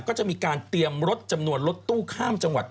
ก็จะมีการเตรียมรถจำนวนรถตู้ข้ามจังหวัด